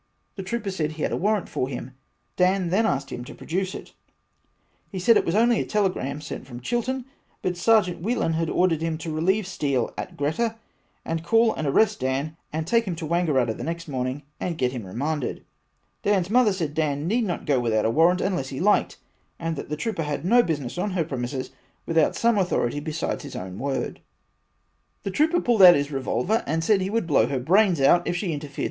the trooper said he had a warrant for him Dan then asked him to produce it he said it was only a telegram sent from Chiltren but Sergeant Whelan ordered him to releive Steel at Greta and call and arrest Dan and take him into Wangaratta next morning and get him remanded Dans mother said Dan need not go without a warrant unless he liked and that the trooper had no business on her premises without some Authority besides his own word. The trooper pulled out his revolver and said he would blow her brains out if she interfered.